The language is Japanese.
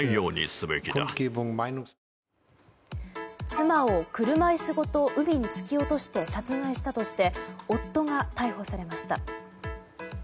妻を車椅子ごと海に突き落として殺害したとして夫が逮捕されました。